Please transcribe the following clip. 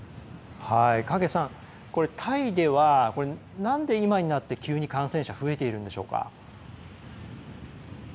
影さん、タイでは今になって急に感染者が増えているんでしょうか？